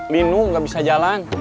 linu gak bisa jalan